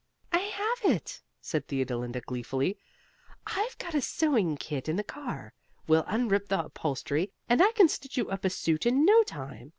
"I have it!" said Theodolinda, gleefully. "I've got a sewing kit in the car we'll unrip the upholstery and I can stitch you up a suit in no time.